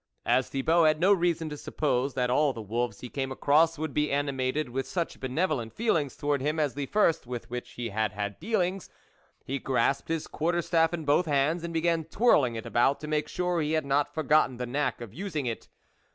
As Thibault had no reason to suppose that all the wolves he came across would be animated with such benevolent feelings towards him as the first with which he had had dealings, he grasped his quarter staff in both hands, and began twirling it about to make sure he had not forgotten the knack of using it.